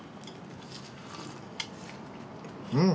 うん。